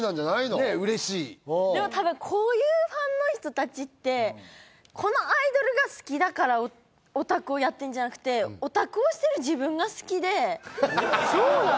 ねえ嬉しいでも多分こういうファンの人達ってこのアイドルが好きだからオタクをやってんじゃなくてオタクをしてる自分が好きでそうなの？